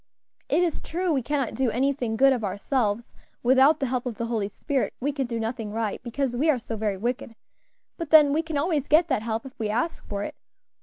It is true we cannot do anything good of ourselves; without the help of the Holy Spirit we can do nothing right, because we are so very wicked; but then we can always get that help if we ask for it.